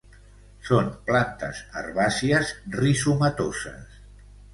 Són plantes herbàcies rizomatoses.